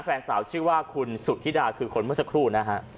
แฟนสาวชื่อว่าคุณสุธิดาคือคนเมื่อสักครู่นะฮะ